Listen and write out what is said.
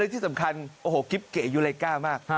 และที่สำคัญกิ๊บเกะยูเลก้ามาก